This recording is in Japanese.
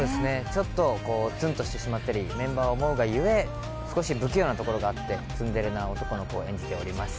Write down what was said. ちょっとツンとしてしまったり、メンバーを思うがゆえ不器用なところもあってツンデレな男の子を演じております。